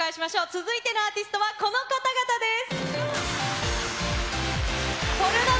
続いてのアーティストは、この方々です。